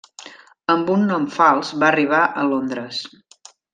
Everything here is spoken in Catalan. Amb un nom fals, va arribar a Londres.